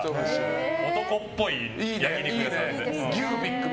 男っぽい焼き肉屋さんで。